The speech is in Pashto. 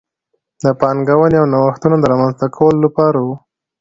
د پانګونې او نوښتونو د رامنځته کولو لپاره و.